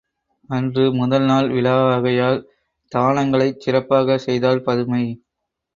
அன்று முதல்நாள் விழாவாகையால் தானங்களைச் சிறப்பாகச் செய்தாள் பதுமை.